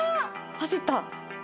走った！